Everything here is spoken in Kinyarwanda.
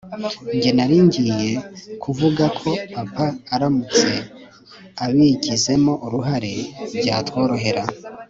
nyine naringiye kuvuga ko papa aramutse abigizemo uruhari byatworohera